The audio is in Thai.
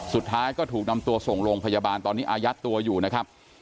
สุดท้ายก็ถูกนำตัวส่งโรงพยาบาลตอนนี้อายัดตัวอยู่นะครับ